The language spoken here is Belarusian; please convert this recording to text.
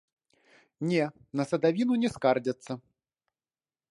Не, на садавіну не скардзяцца!